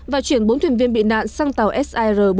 và chuyển bốn thuyền viên bị nạn sang tàu sr bốn trăm một mươi ba